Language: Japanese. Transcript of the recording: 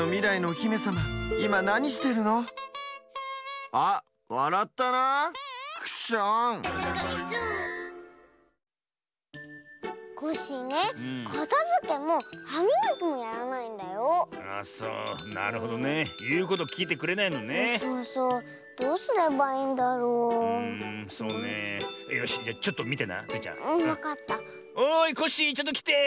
おいコッシーちょっときて。